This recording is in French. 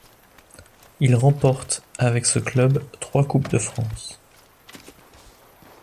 Il remporte avec ce club trois coupes de France.